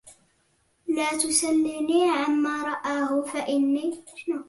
لا تسلني عما أراه فإني